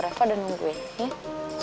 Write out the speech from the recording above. reva udah nungguin ya